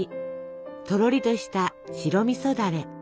とろりとした白みそだれ。